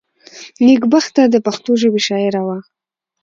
نېکبخته دپښتو ژبي شاعره وه.